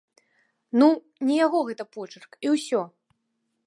Ну, не яго гэта почырк і ўсё!